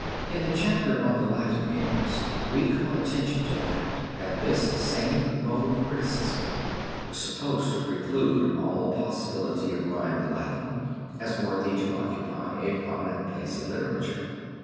In the chapter on the Latin Hymns, we call attention to the fact that this same mode of criticism was supposed to preclude all possibility of rhymed Latin, as worthy to occupy a prominent place in literature.